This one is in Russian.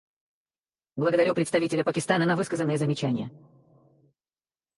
Благодарю представителя Пакистана на высказанные замечания.